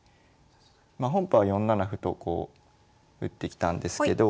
まあ本譜は４七歩と打ってきたんですけど。